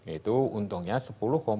itu untungnya sepuluh lima triliun